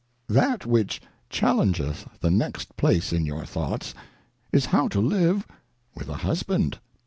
THAT which challengeth the next place in your Thoughts, is how to live with a Husband.